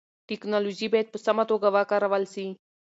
ټیکنالوژي باید په سمه توګه وکارول سي.